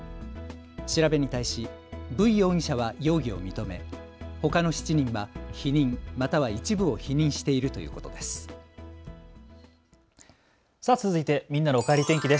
調べに対しブイ容疑者は容疑を認めほかの７人は否認、または一部を否認しているということです。